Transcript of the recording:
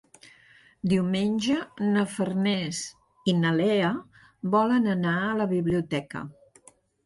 Diumenge na Farners i na Lea volen anar a la biblioteca.